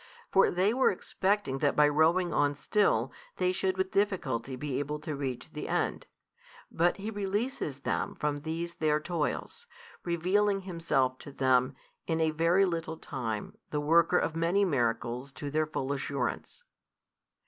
For they were expecting that by rowing on still, they should with difficulty be able to reach the end, but He releases them from these their toils, revealing Himself to them in a very little time the Worker of many miracles to their full assurance.